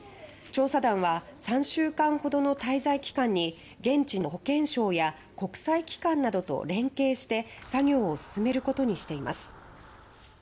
調査団は３週間ほどの滞在期間に現地の保健省や国際機関などと連携して作業を進めることにしています。